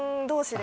で